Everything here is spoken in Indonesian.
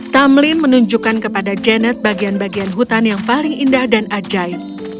tamlin menunjukkan kepada janet bagian bagian hutan yang paling indah dan ajaib